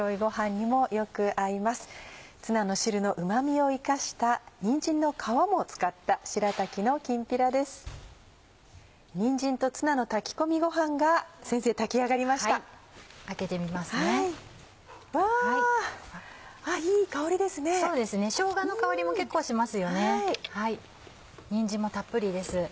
にんじんもたっぷりです